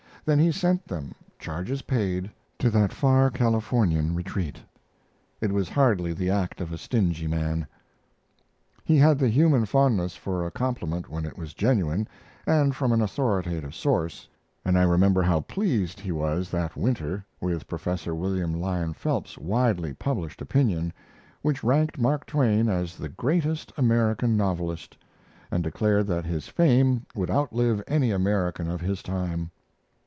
Then he sent them, charges paid, to that far Californian retreat. It was hardly the act of a stingy man. He had the human fondness for a compliment when it was genuine and from an authoritative source, and I remember how pleased he was that winter with Prof. William Lyon Phelps's widely published opinion, which ranked Mark Twain as the greatest American novelist, and declared that his fame would outlive any American of his time.